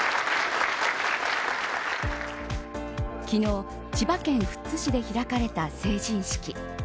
昨日、千葉県富津市で開かれた成人式。